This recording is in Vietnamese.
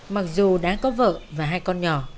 mặc dù đã có vợ và hai con nhỏ